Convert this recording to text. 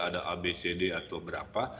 ada abcd atau berapa